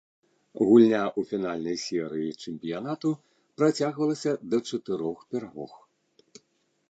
Гульня ў фінальнай серыі чэмпіянату працягвалася да чатырох перамог.